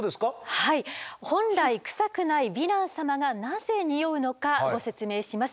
はい本来クサくないヴィラン様がなぜにおうのかご説明します。